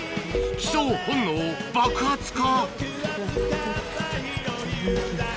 帰巣本能爆発か？